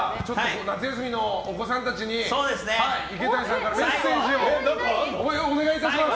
夏休みのお子さんたちに池谷さんからメッセージをお願いします。